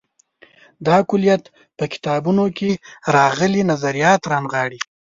دا کُلیت په کتابونو کې راغلي نظریات رانغاړي.